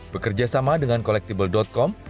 bekerja sama dengan collectible com